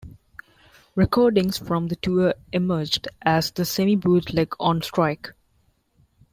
Recordings from the tour emerged as the semi-bootleg "On Strike".